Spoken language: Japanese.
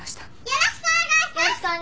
よろしくお願いします。